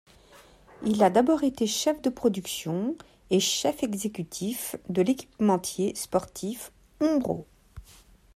Il a d'abord été chef de production et chef exécutif de l'équipementier sportif Umbro.